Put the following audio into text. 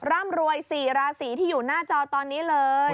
ร่ำรวย๔ราศีที่อยู่หน้าจอตอนนี้เลย